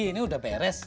ini udah beres